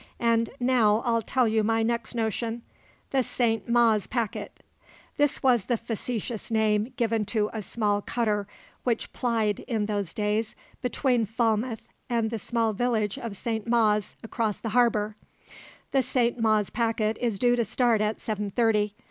An' now I'll tell you my next notion. The St. Mawes packet" this was the facetious name given to a small cutter which plied in those days between Falmouth and the small village of St. Mawes across the harbour "the St. Mawes packet is due to start at seven thirty.